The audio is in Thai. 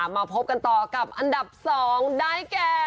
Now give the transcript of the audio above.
มาพบกันต่อกับอันดับ๒ได้แก่